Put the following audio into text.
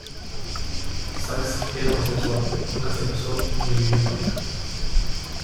Sacks era homosexual, nunca se casó ni vivió en pareja.